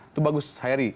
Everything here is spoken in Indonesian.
itu bagus hairi